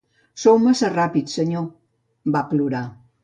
"Sou massa ràpid, senyor", va plorar.